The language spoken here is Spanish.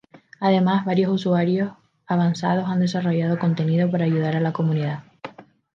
Además, varios usuarios avanzados han desarrollado contenido para ayudar a la comunidad.